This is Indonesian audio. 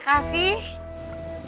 sekali lagi terima kasih